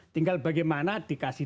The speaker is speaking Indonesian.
tinggal bagaimana dikasih